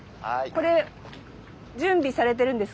これ準備されてるんですか？